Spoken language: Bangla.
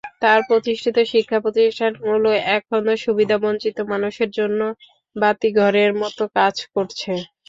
তাঁর প্রতিষ্ঠিত শিক্ষাপ্রতিষ্ঠানগুলো এখনো সুবিধাবঞ্চিত মানুষের জন্য বাতিঘরের মতো কাজ করছে।